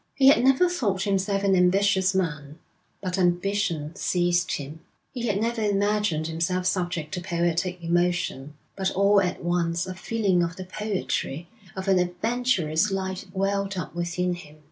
He had never thought himself an ambitious man, but ambition seized him. He had never imagined himself subject to poetic emotion, but all at once a feeling of the poetry of an adventurous life welled up within him.